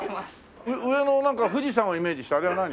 上の富士山をイメージしたあれは何？